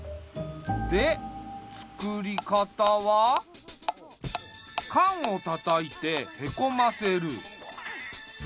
でつくり方は。かんをたたいてへこませる。